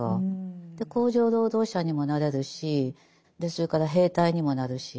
工場労働者にもなれるしそれから兵隊にもなるし。